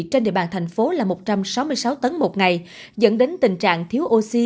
trên địa bàn thành phố là một trăm sáu mươi sáu tấn một ngày dẫn đến tình trạng thiếu oxy